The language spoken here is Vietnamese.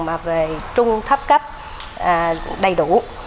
mà về trung thấp cấp đầy đủ